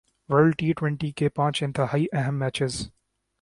world T twenty کے پانچ انتہائی اہم میچز